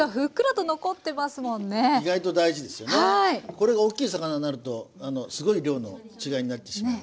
これが大きい魚になるとすごい量の違いになってしまいます。